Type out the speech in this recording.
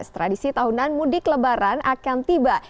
tradisi tahunan mudik lebaran akan tiba